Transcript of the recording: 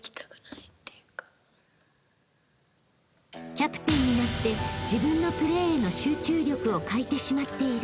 ［キャプテンになって自分のプレーへの集中力を欠いてしまっている］